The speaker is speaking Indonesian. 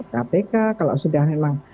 kpk kalau sudah memang